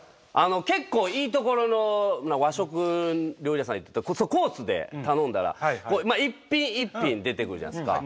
結構いいところの和食料理屋さん行ってコースで頼んだら一品一品出てくるじゃないですか。